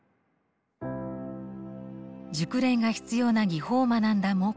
熟練が必要な技法を学んだモー子さん。